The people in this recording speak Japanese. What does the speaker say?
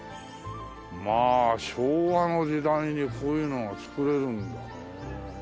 まあ昭和の時代にこういうのを造れるんだね。